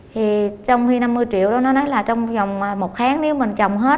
thì trong khi năm mươi triệu đó nó nói là trong vòng một tháng nếu mình trồng hết